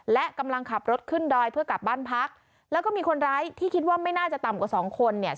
และกำลังขับรถขึ้นดอยเพื่อกลับบ้านพักแล้วก็มีคนร้ายที่คิดว่าไม่น่าจะต่ำกว่าสองคนเนี่ย